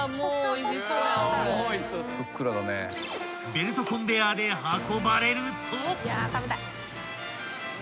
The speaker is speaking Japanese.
［ベルトコンベヤーで運ばれると］